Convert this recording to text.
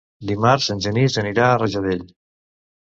Dimarts en Genís anirà a Rajadell.